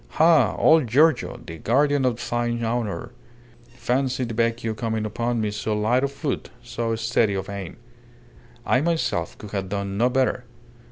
"Ha! Old Giorgio the guardian of thine honour! Fancy the Vecchio coming upon me so light of foot, so steady of aim. I myself could have done no better.